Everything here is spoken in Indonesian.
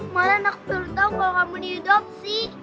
malah anakku belum tau kalau kamu diidopsi